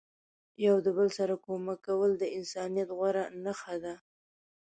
یو د بل سره کومک کول د انسانیت غوره نخښه ده.